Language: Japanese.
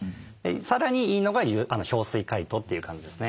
さらにいいのが氷水解凍という感じですね。